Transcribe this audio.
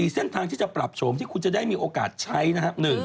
เส้นทางที่จะปรับโฉมที่คุณจะได้มีโอกาสใช้นะครับ